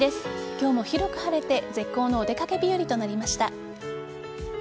今日も広く晴れて絶好のお出かけ日和となりました。